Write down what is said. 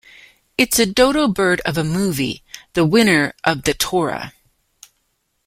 It's a dodo-bird of a movie, the winner of the "Tora!